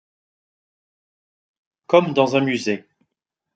Comme dans un musée.